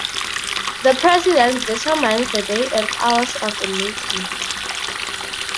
The President determines the day and hours of the meetings.